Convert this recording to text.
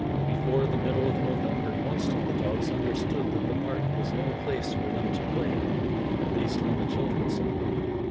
Before the middle of November most of the dogs understood that the park was no place for them to play, at least when the children saw them.